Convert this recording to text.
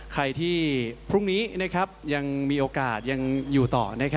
ใครที่พรุ่งนี้ยังมีโอกาสยังอยู่ต่อ